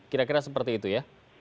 kira kira seperti itu ya